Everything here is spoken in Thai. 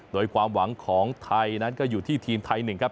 โดยความหวังของไทยนั้นก็อยู่ที่ทีมไทยหนึ่งครับ